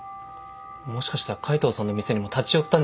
もしかしたら海藤さんの店にも立ち寄ったんじゃないですか？